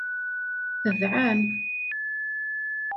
Tedɛam.